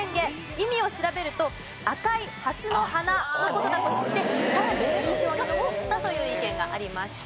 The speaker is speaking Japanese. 意味を調べると「赤い蓮の花」の事だと知ってさらに印象が残ったという意見がありました。